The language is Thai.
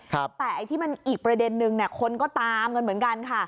แต่ที่มันอีกประเด็นนึงคนก็ตามเหมือนกันค่ะ